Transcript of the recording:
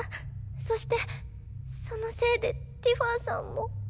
そしてそのせいでティファンさんも。